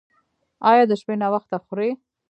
ایا د شپې ناوخته خورئ؟